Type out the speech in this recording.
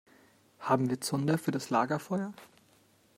Haben wir Zunder für das Lagerfeuer?